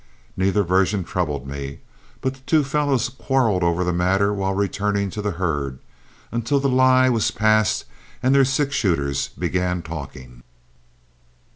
Neither version troubled me, but the two fellows quarreled over the matter while returning to the herd, until the lie was passed and their six shooters began talking.